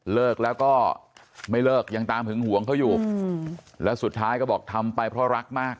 เลิกแล้วก็ไม่เลิกยังตามหึงหวงเขาอยู่แล้วสุดท้ายก็บอกทำไปเพราะรักมาก